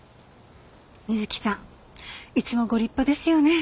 みづきさんいつもご立派ですよね。